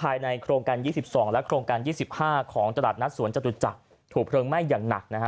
ภายในโครงการ๒๒และโครงการ๒๕ของตลาดนัดสวนจตุจักรถูกเพลิงไหม้อย่างหนักนะฮะ